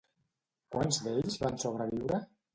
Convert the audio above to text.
Quants d'ells van sobreviure?